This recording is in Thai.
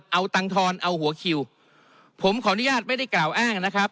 เอาตังทอนเอาหัวคิวผมขออนุญาตไม่ได้กล่าวอ้างนะครับ